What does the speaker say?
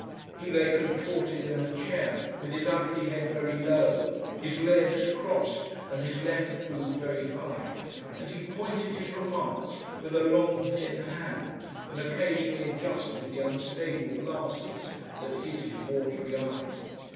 He lay contorted in a chair, with his ugly head very low, his legs crossed and his left boot very high, and he pointed his remarks with a long thin hand and occasionally adjusted the unstable glasses that hid his watery eyes.